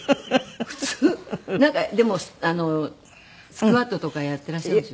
なんかでもスクワットとかやっていらっしゃるんでしょ？